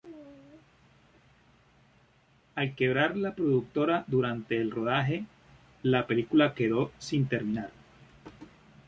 Al quebrar la productora durante el rodaje, la película quedó sin terminar.